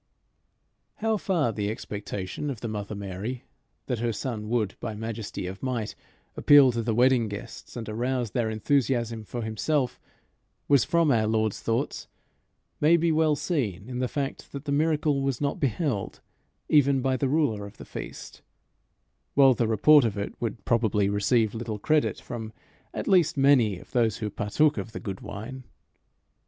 How far the expectation of the mother Mary that her son would, by majesty of might, appeal to the wedding guests, and arouse their enthusiasm for himself, was from our Lord's thoughts, may be well seen in the fact that the miracle was not beheld even by the ruler of the feast; while the report of it would probably receive little credit from at least many of those who partook of the good wine.